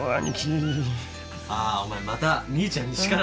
あお前また兄ちゃんに叱られたろ。